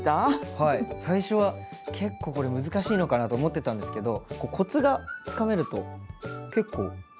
最初は結構これ難しいのかなと思ってたんですけどコツがつかめると結構簡単にというか。